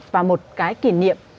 và một cái kỷ niệm